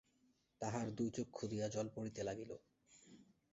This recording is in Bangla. তাঁহার দুই চক্ষু দিয়া জল পড়িতে লাগিল।